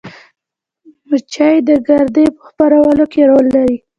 مچۍ د ګردې په خپرولو کې رول لري